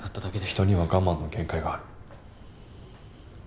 人には我慢の限界がある。